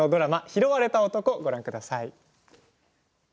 「拾われた男」ご覧ください。